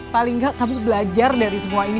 paling nggak kamu belajar dari semua ini